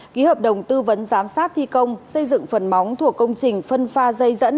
ký hợp đồng tư vấn giám sát thi công xây dựng phần móng thuộc công trình phân pha dây dẫn